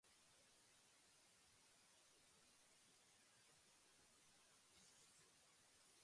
Massachusetts's electoral law required a majority for election.